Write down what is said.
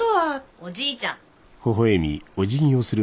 おじいちゃん。